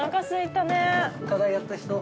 課題やった人？